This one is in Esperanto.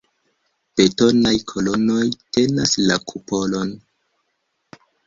Betonaj kolonoj tenas la kupolon.